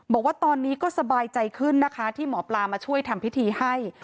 บอกว่าตอนนี้ก็สบายใจขึ้นนะคะที่หมอปลามาช่วยทำพิธีให้